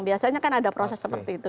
biasanya kan ada proses seperti itu